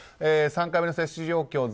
３回目の接種状況